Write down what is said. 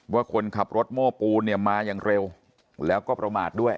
ว่าคนขับรถโม้ปูนเนี่ยมาอย่างเร็วแล้วก็ประมาทด้วย